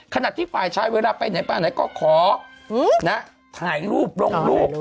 ขนาดที่ฟายใช้เวลาไปไหนป่ะไหนก็ขอนะถ่ายรูปลงรูป